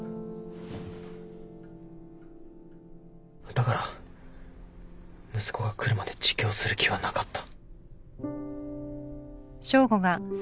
だから息子が来るまで自供する気はなかった。